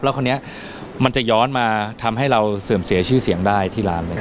แล้วคนนี้มันจะย้อนมาทำให้เราเสื่อมเสียชื่อเสียงได้ที่ร้านเลย